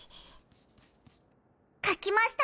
書きました。